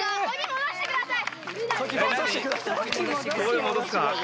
戻してください！